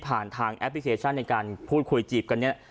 ผ่านทางแอพพิเศษชั่นในการพูดคุยจีบกันเนี่ย